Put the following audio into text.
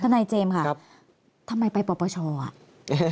คณะอาจารย์เจมส์ค่ะทำไมไปประวัติศาสตร์